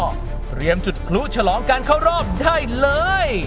เตรียมจุดพลุฉลองการเข้ารอบได้เลย